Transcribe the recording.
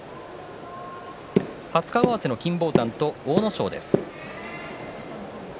初顔合わせの金峰山と阿武咲です。